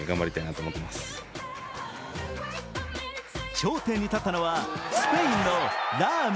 頂点に立ったのはスペインのラーム。